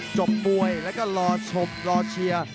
จบมวยแล้วก็รอชมรอเชียร์